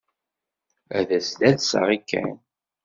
Ad as-d-alseɣ i Ken?